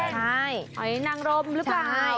หอยนางรมรึเปล่า